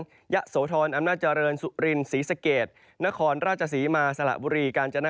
ดดว่าอย่างก่อนจะยิ่งในแนวของมีการอาบอย่างกัน